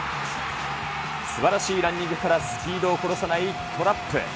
すばらしいランニングからスピードを殺さないトラップ。